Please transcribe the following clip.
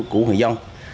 của người dân